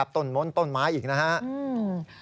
ต้นม้นต้นไม้อีกนะครับ